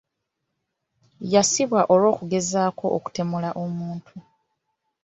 Yasibwa lwa kugezaako kutemula muntu.